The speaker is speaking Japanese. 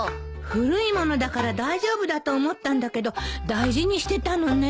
古い物だから大丈夫だと思ったんだけど大事にしてたのね。